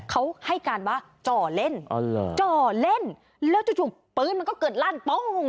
เขาให้การว่าจ่อเล่นจ่อเล่นแล้วจู่ปืนมันก็เกิดลั่นป้อง